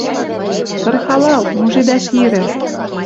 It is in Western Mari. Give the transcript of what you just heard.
— Тырхалал, мужедӓш ирӹ